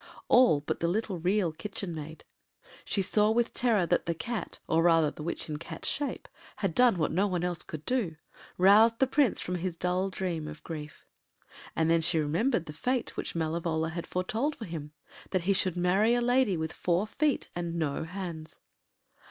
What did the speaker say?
All but the little Real Kitchen Maid. She saw with terror that the Cat, or rather the witch in Cat’s shape, had done what no one else could do—roused the Prince from his dull dream of grief. And then she remembered the fate which Malevola had foretold for him—that he should marry a lady with four feet and no hands.